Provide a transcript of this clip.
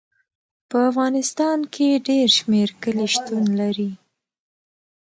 په افغانستان کې ډېر شمیر کلي شتون لري.